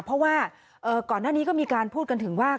เพราะว่าก่อนหน้านี้ก็มีการพูดกันถึงว่า